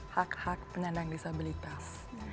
hak hak penyandang disabilitas